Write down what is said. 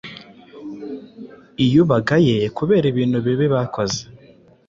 iyo ubagaye kubera ibintu bibi bakoze